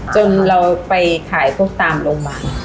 จนเราไปขายพวกตามโรงพยาบาล